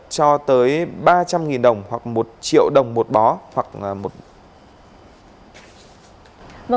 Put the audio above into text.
cho tới ba trăm linh đồng hoặc một triệu đồng một bó